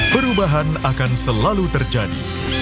perubahan akan selalu terjadi